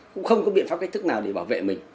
cũng không có biện pháp cách thức nào để bảo vệ mình